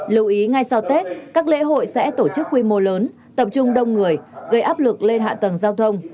lưu ý ngay sau tết các lễ hội sẽ tổ chức quy mô lớn tập trung đông người gây áp lực lên hạ tầng giao thông